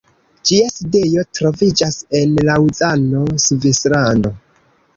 Ĝia sidejo troviĝas en Laŭzano, Svislando.